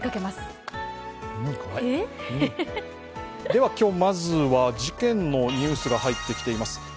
まずは今日は事件のニュースが入ってきています。